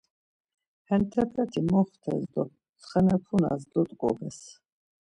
Hentepeti moxtes do tsaxepunas dot̆ǩobes.